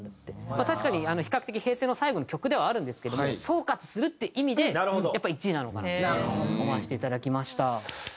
まあ確かに比較的平成の最後の曲ではあるんですけども総括するって意味でやっぱり１位なのかなって思わせていただきました。